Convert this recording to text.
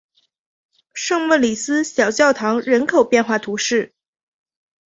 圣莫里斯小教堂人口变化图示